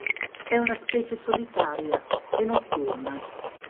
È una specie solitaria e notturna.